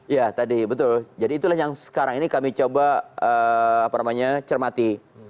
ya tadi betul jadi itulah yang sekarang ini kami coba cermati